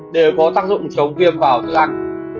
đều có tác dụng chống viêm vào thức ăn